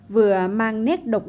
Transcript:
vừa mang nét độc đáo nhất